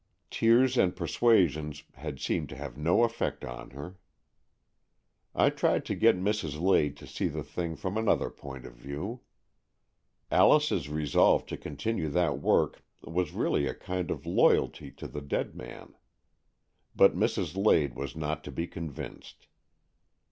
Tears and persuasions had seemed to have no effect on her. I tried to get Mrs. Lade to see the thing AN EXCHANGE OF SOULS 147 from another point of view. Alice's resolve to continue that work was really a kind of loyalty to the dead man. But Mrs. Lade was not to be convinced.